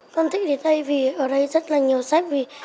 con thích đến đây vì ở đây rất là nhiều sách